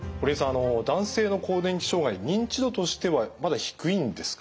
あの男性の更年期障害認知度としてはまだ低いんですか？